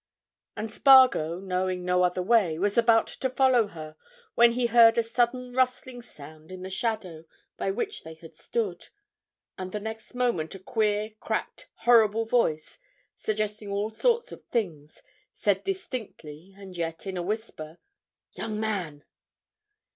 And Spargo, knowing no other way, was about to follow her when he heard a sudden rustling sound in the shadow by which they had stood, and the next moment a queer, cracked, horrible voice, suggesting all sorts of things, said distinctly and yet in a whisper: "Young man!"